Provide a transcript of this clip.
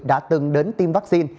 đã từng đến tiêm vaccine